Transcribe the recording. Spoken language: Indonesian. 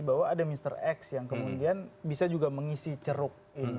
bahwa ada mr x yang kemudian bisa juga mengisi ceruk ini